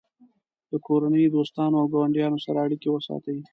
له کورنۍ، دوستانو او ګاونډیانو سره اړیکې وساتئ.